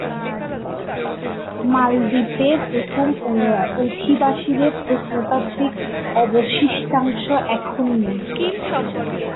মালদ্বীপের প্রথম অধিবাসীদের প্রত্নতাত্ত্বিক অবশিষ্টাংশ এখন নেই।